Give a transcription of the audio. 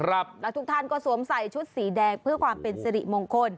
แล้วทุกท่านก็สวมใส่ชุดสีแดงเพื่อความเป็นสิริมงคล